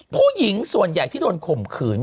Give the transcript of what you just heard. ผู้หญิงส่วนใหญ่ที่โดนข่มขืน